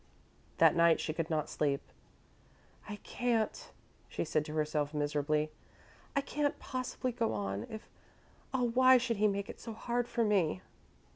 That night she could not sleep. "I can't," she said to herself, miserably; "I can't possibly go on, if Oh, why should he make it so hard for me!"